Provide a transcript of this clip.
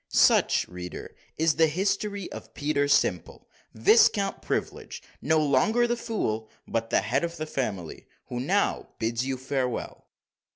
Such, reader, is the history of Peter Simple, Viscount Privilege, no longer the fool, but the head of the family, who now bids you farewell.